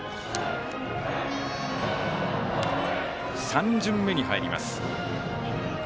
３巡目に入ります。